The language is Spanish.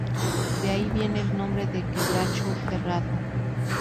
De ahí viene el nombre de Quebracho Herrado.